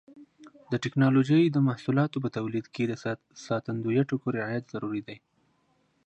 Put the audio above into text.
د ټېکنالوجۍ د محصولاتو په تولید کې د ساتندویه ټکو رعایت ضروري دی.